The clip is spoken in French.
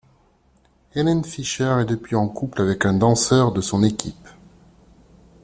Helene Fischer est depuis en couple avec un danseur de son équipe.